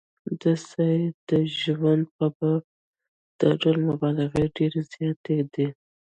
د سید د ژوند په باب دا ډول مبالغې ډېرې زیاتې دي.